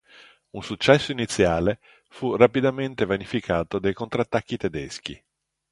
Un successo iniziale fu rapidamente vanificato dai contrattacchi tedeschi.